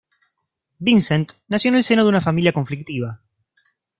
Vincent nació en el seno de una familia conflictiva.